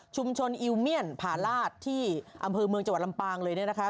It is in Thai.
อิวเมียนผาลาศที่อำเภอเมืองจังหวัดลำปางเลยเนี่ยนะคะ